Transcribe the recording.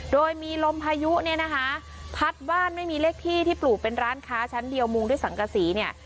โดยมีลมพายุเนี่ยนะคะพัดบ้านไม่มีเลขที่ที่ปลูกเป็นร้านค้าชั้นเดียวมุงด้วยสังกษีเนี่ย